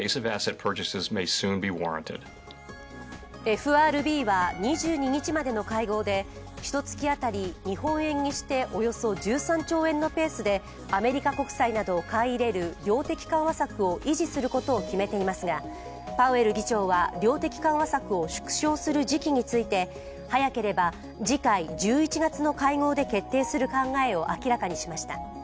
ＦＲＢは２２日までの会合でひと月当たり日本円にしておよそ１３兆円のペースでアメリカ国債などを買い入れる量的緩和策を維持することを決めていますがパウエル議長は量的緩和策を縮小する時期について早ければ次回１１月の会合で決定する考えを明らかにしました。